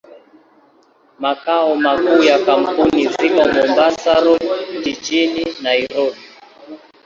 Makao makuu ya kampuni ziko Mombasa Road, jijini Nairobi.